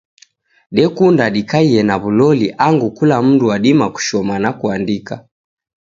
Dekunda dikaie na w'uloli angu kula mndu wadima kushoma na kuandika.